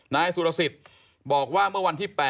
นายสุรสิทธิ์บอกว่าเมื่อวันที่๘